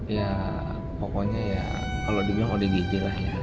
ya pokoknya ya kalau dibilang odgj lah ya